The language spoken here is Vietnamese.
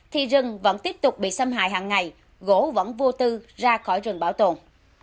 thì rừng vẫn tiếp tục bị xâm hại hàng ngày gỗ vẫn vô tư ra khỏi rừng bảo tồn